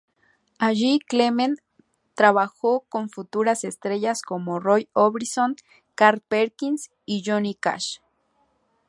Allí, Clement trabajó con futuras estrellas como Roy Orbison, Carl Perkins y Johnny Cash.